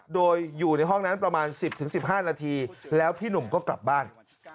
โดยอยู่ในห้องนั้นประมาณ๑๐๑๕นาทีแล้วพี่หนุ่มก็กลับบ้าน